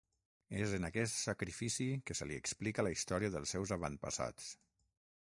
És en aquest sacrifici que se li explica la història dels seus avantpassats.